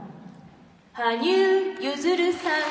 羽生結弦さん。